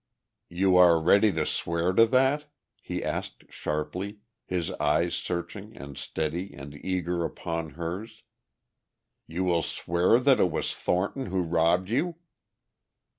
"You are ready to swear to that?" he asked sharply, his eyes searching and steady and eager upon hers. "You will swear that it was Thornton who robbed you?"